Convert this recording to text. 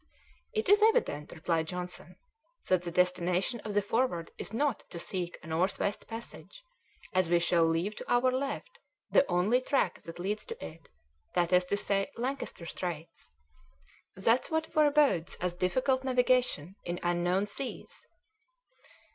"It is evident," replied Johnson, "that the destination of the Forward is not to seek a North West passage, as we shall leave to our left the only track that leads to it that is to say, Lancaster Straits; that's what forebodes us difficult navigation in unknown seas."